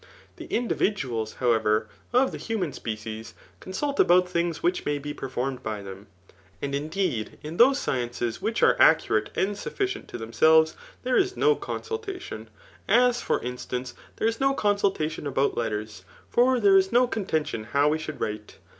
The individuals, how ever, of the human species consult about things wimh may be performed by them. And indeed in those sci £nces which are accurate and sufficient to themselves, theie is no consultation ; as for inst^uoce, there is no consuUa^ don sdx)ut letters ; for there is no contoitkm how we should write.